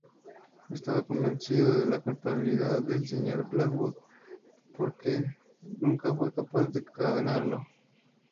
Estaba convencido de la culpabilidad del señor Blackwood, pero nunca fue capaz de condenarlo.